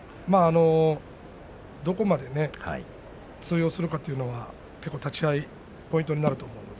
どこまで通用するかというのは立ち合いがポイントになると思います。